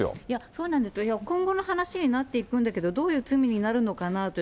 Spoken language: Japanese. そうなんですよ、今後の話になっていくんだけど、どういう罪になるのかなって。